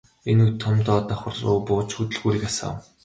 Энэ үед Том доод давхарруу бууж хөдөлгүүрийг асаав.